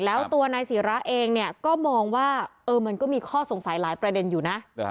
แล้วตัวนายศิราเองเนี่ยก็มองว่ามันก็มีข้อสงสัยหลายประเด็นอยู่นะ